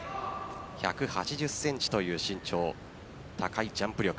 １８０ｃｍという身長高いジャンプ力。